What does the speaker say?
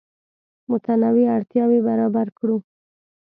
متنوع اړتیاوې برابر کړو.